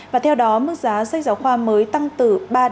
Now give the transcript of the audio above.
và theo đó mức giá sách giáo khoa mới tăng từ